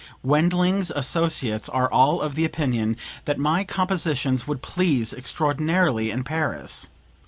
Wendling's associates are all of the opinion that my compositions would please extraordinarily in Paris.